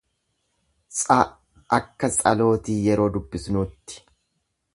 ts akka tsalootii yeroo dubbisnuutti.